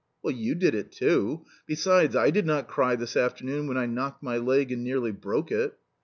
"Well, you did it too! Besides, I did not cry this afternoon when I knocked my leg and nearly broke it."